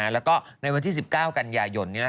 แล้วก็ในวันที่๑๙กันยายน